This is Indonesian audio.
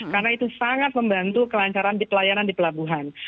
karena itu sangat membantu kelancaran pelayanan di pelabuhan